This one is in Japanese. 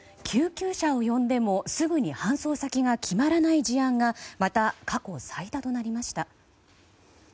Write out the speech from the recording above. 救急車を呼んでもすぐに搬送先が決まらない事案がまた過去最多となりました。